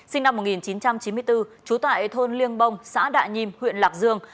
sinh năm một nghìn chín trăm chín mươi bốn trú tại thôn liêng bông xã đạ nhiêm huyện lạc dương